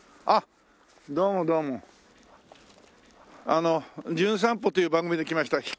あの『じゅん散歩』という番組で来ました